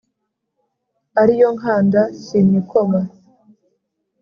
ari iyo nkanda sinyikoma